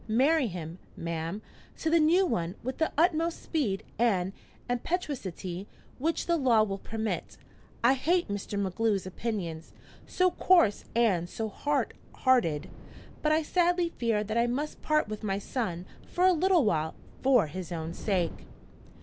Marry him, ma'am, to the new one with the utmost speed and impetuosity which the law will permit.' I hate Mr. MacGlue's opinions so coarse and so hard hearted! but I sadly fear that I must part with my son for a little while, for his own sake.